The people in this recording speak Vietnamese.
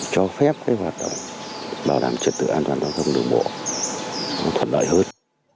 cho phép cái hoạt động bảo đảm trật tự an toàn giao thông được bộ nó thuận đợi hết